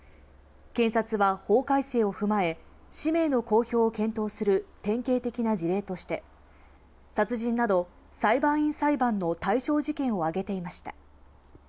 検察は法改正を踏まえ、氏名の公表を検討する典型的な事例として、殺人など裁判員裁判の対象事件を挙げていました。